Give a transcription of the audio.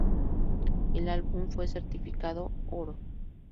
El álbum fue certificado oro.